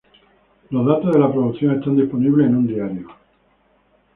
Los datos de la producción están disponibles en un diario.